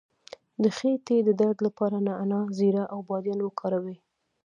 د خیټې د درد لپاره نعناع، زیره او بادیان وکاروئ